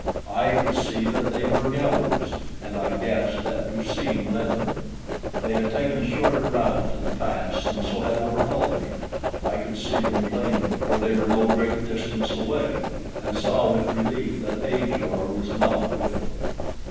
I could see that they were Galus, and I guessed that Du seen led them. They had taken a shorter route to the pass and so had overhauled me. I could see them plainly, for they were no great distance away, and saw with relief that Ajor was not with them.